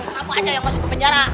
kamu aja yang masuk ke penjara